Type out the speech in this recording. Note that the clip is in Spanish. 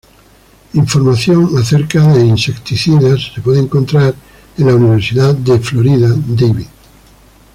Información acerca insecticidas se puede encontrar en la Universidad de Florida, Davie.